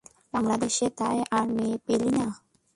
বাংলাদেশে তাই আর মেয়ে পেলি না?